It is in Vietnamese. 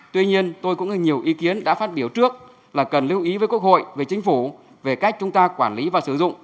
tuy nhiên tôi cũng nhiều ý kiến đã phát biểu trước là cần lưu ý với quốc hội với chính phủ về cách chúng ta quản lý và sử dụng